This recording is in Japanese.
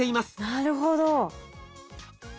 なるほど。